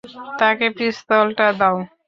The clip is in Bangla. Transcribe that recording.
তাকে পিস্তলটা দাও।